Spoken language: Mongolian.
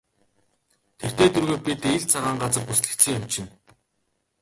Тэртэй тэргүй бид ил цагаан газар бүслэгдсэн юм чинь.